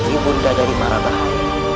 ibunda dari marabahan